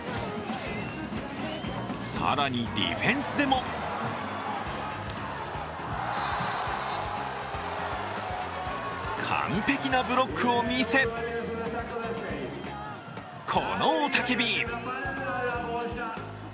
更にディフェンスでも完璧なブロックを見せこの雄たけび。